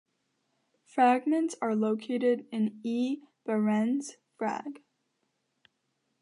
Fragments are located in E. Bahrens, Frag.